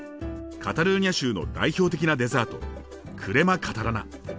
カタルーニャ州の代表的なデザートクレマ・カタラナ。